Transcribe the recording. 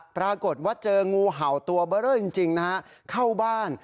ปรากฏว่าเจองูเห่าตัวเบอร์เรอจริงนะฮะเข้าบ้าน